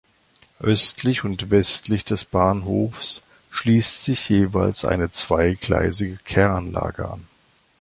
Östlich und westlich des Bahnhofs schließt sich jeweils eine zweigleisige Kehranlage an.